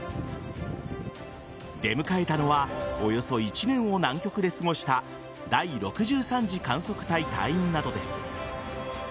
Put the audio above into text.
出迎えたのはおよそ１年を南極で過ごした第６３次観測隊隊員などです。